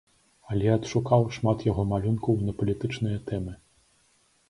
Але адшукаў шмат яго малюнкаў на палітычныя тэмы.